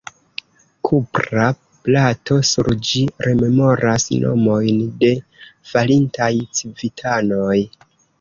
Kupra plato sur ĝi rememoras nomojn de falintaj civitanoj.